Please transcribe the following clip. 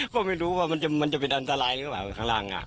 ก็ไม่รู้ว่ามันจะเป็นอันตรายหรือเปล่าข้างล่าง